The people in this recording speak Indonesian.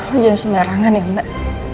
lo jenis merangan ya mbak